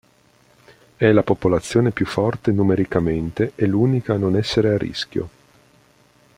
È la popolazione più forte numericamente e l'unica a non essere a rischio.